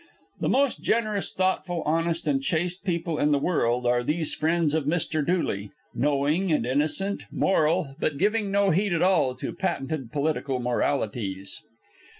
The most generous, thoughtful, honest, and chaste people in the world are these friends of Mr. Dooley, knowing and innocent; moral, but giving no heed at all to patented political moralities.